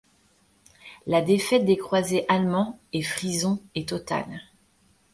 La défaite des croisés allemands et frisons est totale.